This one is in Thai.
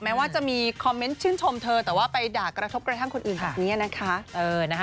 แม้ว่าจะมีคอมเมนต์ชื่นชมเธอแต่ว่าไปด่ากระทบกระทั่งคนอื่นแบบนี้นะคะ